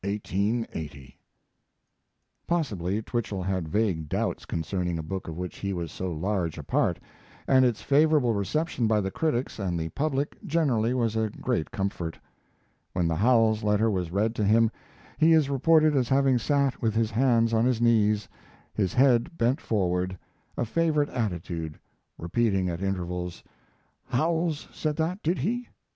Possibly Twichell had vague doubts concerning a book of which he was so large a part, and its favorable reception by the critics and the public generally was a great comfort. When the Howells letter was read to him he is reported as having sat with his hands on his knees, his head bent forward a favorite attitude repeating at intervals: "Howells said that, did he?